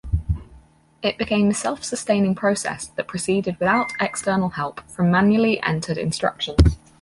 It became a self-sustaining process that proceeded without external help from manually entered instructions.